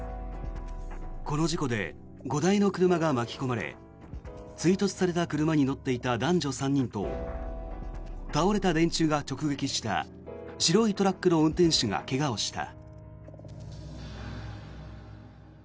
この事故で５台の車が巻き込まれ追突された車に乗っていた男女３人と倒れた電柱が直撃した白いトラックの運転手が怪我をした。